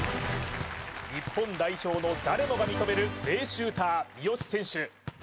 日本代表の誰もが認める名シューター三好選手